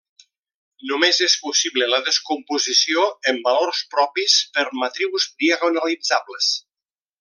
Només és possible la descomposició en valors propis per matrius diagonalitzables.